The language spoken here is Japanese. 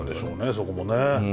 そこもね。